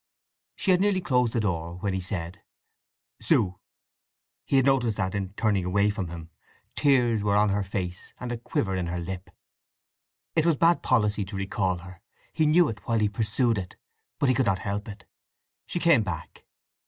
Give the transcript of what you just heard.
She had nearly closed the door when he said, "Sue!" He had noticed that, in turning away from him, tears were on her face and a quiver in her lip. It was bad policy to recall her—he knew it while he pursued it. But he could not help it. She came back.